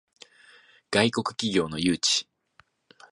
外国企業の誘致